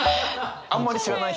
あんまり知らない人で？